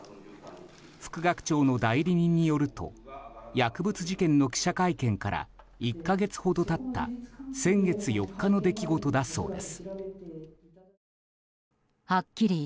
副学長の代理人によると薬物事件の記者会見から１か月ほど経った先月４日の出来事だそうです。